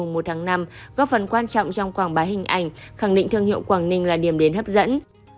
mùa một tháng năm góp phần quan trọng trong quảng bá hình ảnh khẳng định thương hiệu quảng ninh là điểm đến hấp dẫn